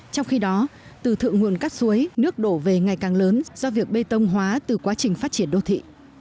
trong khi đó từ thượng nguồn các suối nước đổ về ngày càng lớn do việc bê tông hóa từ quá trình phát triển đô thị